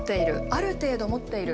「ある程度持っている」